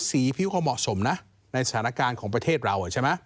๒สีผิวเขาเหมาะสมนะในสถานการณ์ของประเทศเรา